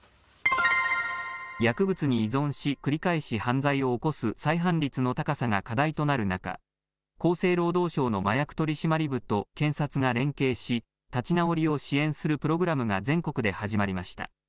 薬物に依存し繰り返し犯罪を起こす再犯率の高さが課題となる中、厚生労働省の麻薬取締部と検察が連携し立ち直りを支援するプログラムが全国で始まりました。